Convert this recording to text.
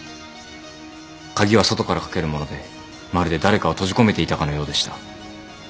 鍵は外からかけるものでまるで誰かを閉じ込めていたかのようでした。